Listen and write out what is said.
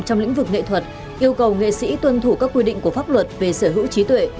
trong lĩnh vực nghệ thuật yêu cầu nghệ sĩ tuân thủ các quy định của pháp luật về sở hữu trí tuệ